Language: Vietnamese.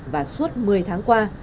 và suốt một mươi tháng qua